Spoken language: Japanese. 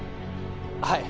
はい！